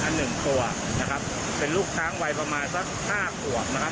หนึ่งตัวนะครับเป็นลูกช้างวัยประมาณสักห้าขวบนะครับ